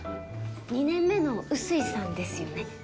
２年目の薄井さんですよね？